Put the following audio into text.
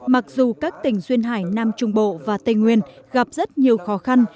mặc dù các tỉnh duyên hải nam trung bộ và tây nguyên gặp rất nhiều khó khăn